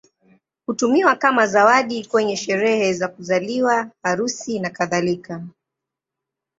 Hutumiwa pia kama zawadi kwenye sherehe za kuzaliwa, harusi, nakadhalika.